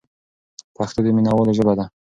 پښتو د مینوالو ژبه ده.